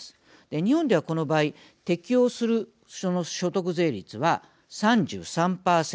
日本ではこの場合適用する所得税率は３３％